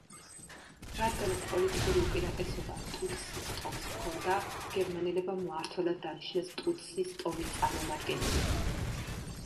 რადგანაც პოლიტიკური უპირატესობა ტუტსის ტომს ჰქონდა, გერმანელებმა მმართველად დანიშნეს ტუტსის ტომის წარმომადგენელი.